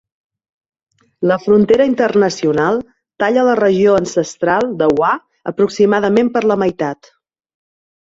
La frontera internacional talla la regió ancestral de Wa aproximadament per la meitat.